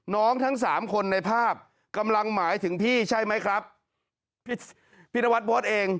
น้องทั้งสามคนในภาพกำลังหมายถึงพี่ใช่ไหมครับพี่นวัฒน์พดเอง